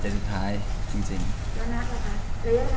แล้วนักละคะแล้วยากกัน๔๕เดือนการเรียนรู้